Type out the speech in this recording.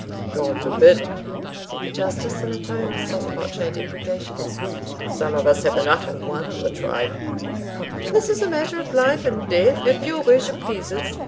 "God forbid!" said the Justice in a tone of sotto voce deprecation; "some of us have enough of one of the tribe." "This is a matter of life and death, if your worship pleases."